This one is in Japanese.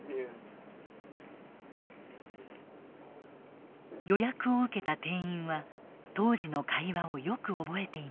予約を受けた店員は当時の会話をよく覚えていました。